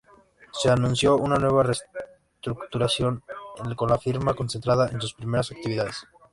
Se anunció una nueva reestructuración, con la firma concentrada en sus primeras actividades.